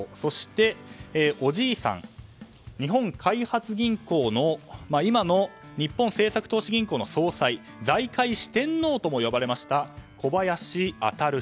そして、おじいさんは日本開発銀行今の日本政策投資銀行の総裁財界四天王とも呼ばれました、小林中氏。